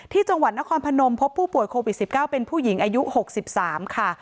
ที่จังหวัดนครพนมพบผู้ป่วยโควิดสิบเก้าเป็นผู้หญิงอายุหกสิบสามค่ะ